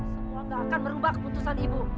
semua gak akan merubah keputusan ibu